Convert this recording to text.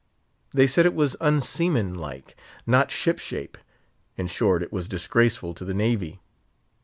They said it was unseamanlike; not ship shape; in short, it was disgraceful to the Navy.